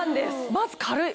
まず軽い。